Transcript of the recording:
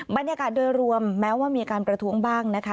บรรยากาศโดยรวมแม้ว่ามีการประท้วงบ้างนะคะ